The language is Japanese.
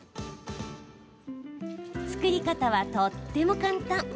作り方はとっても簡単。